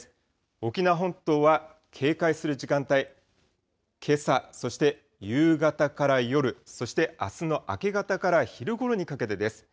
沖縄本島は警戒する時間帯、けさ、そして夕方から夜、そしてあすの明け方から昼ごろにかけてです。